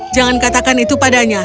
jangan katakan itu padanya